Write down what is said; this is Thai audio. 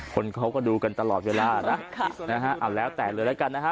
คนเขาก็ดูกันตลอดเยอะล่ะนะฮะอันแล้วแตกเลยละกันนะฮะ